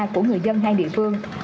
của người dân hai địa phương